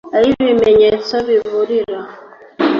ay’ibimenyetso biburira